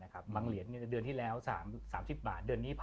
เหรียญเดือนที่แล้ว๓๐บาทเดือนนี้